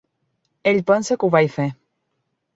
Ell pensa que ho vaig fer.